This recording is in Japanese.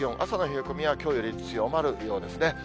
朝の冷え込みはきょうより強まるようですね。